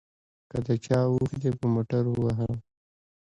که د چا اوښ دې په موټر ووهه.